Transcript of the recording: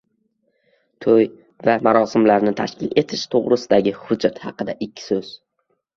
To'y va marosimlarni tashkil etish to'g'risidagi hujjat haqida ikki so'z